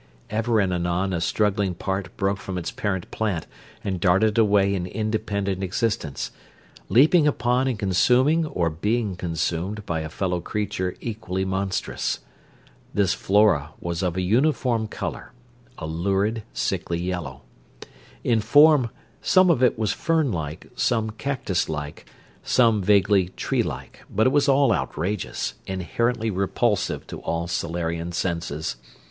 Ever and anon a struggling part broke from its parent plant and darted away in independent existence; leaping upon and consuming or being consumed by a fellow creature equally monstrous. This flora was of a uniform color a lurid, sickly yellow. In form some of it was fern like, some cactus like, some vaguely tree like; but it was all outrageous, inherently repulsive to all Solarian senses.